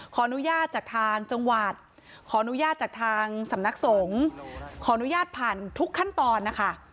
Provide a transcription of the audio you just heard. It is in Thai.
ขออนุญาตจากทางจังหวัดขออนุญาตจากทางสำนักสงฆ์ขออนุญาตผ่านทุกขั้นตอนนะคะ